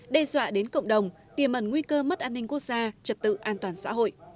đe dọa đến cộng đồng tiềm ẩn nguy cơ mất an ninh quốc gia trật tự an toàn xã hội